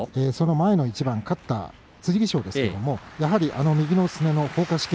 前の一番勝った剣翔ですけれどもやはり右のすねのほうか織